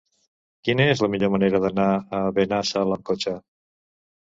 Quina és la millor manera d'anar a Benassal amb cotxe?